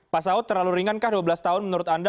pasal terlalu ringankah dua belas tahun menurut anda